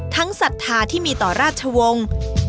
ศรัทธาที่มีต่อราชวงศ์